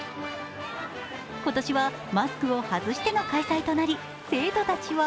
今年はマスクを外しての開催となり生徒たちは